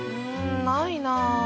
ないなぁ。